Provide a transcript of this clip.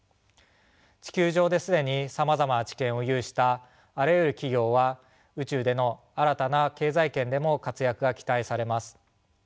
地球上で既にさまざまな知見を有したあらゆる企業は宇宙での新たな経済圏でも活躍が期待されます。